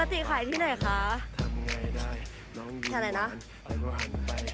ปกติขายที่ไหนคะ